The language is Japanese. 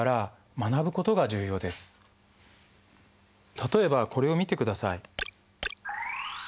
例えばこれを見てください。